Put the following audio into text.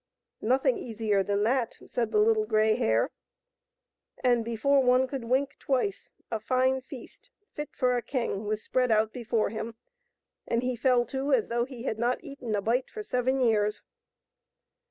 " Nothing easier than that," said the Little Grey Hare ; and before one could wink twice a fine feast, fit for a king, was spread out before him, and he fell to as though he had not eaten a bite for seven years.